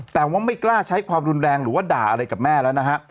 แต่ว่าไม่กล้าใช้ความรุนแรงหรือว่าด่าอะไรกับแม่แล้วนะฮะ